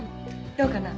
どうかな？